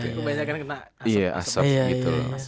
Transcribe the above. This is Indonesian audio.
kebanyakan kena asap gitu